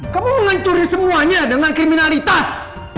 kamu mau ngancurin semuanya dengan kriminalitas